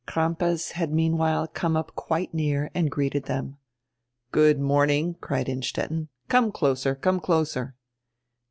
Crampas had meanwhile come up quite near and greeted diem. "Good morning," cried Innstetten. "Come closer, come closer."